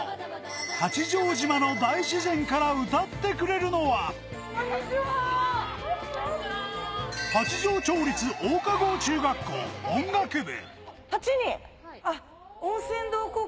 八丈島の大自然から歌ってくれるのは、八丈町立大賀郷中学校音楽部。